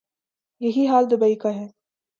یہی حال دوبئی کا ہے۔